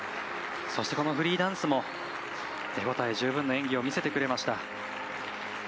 そして、このフリーダンスも手応え十分の演技を見せてくれました。